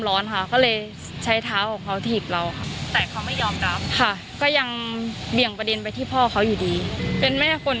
ร้อนฮะก็เลยใช้ฐานของเขาถี่บเราที่ดีเป็นแม่คน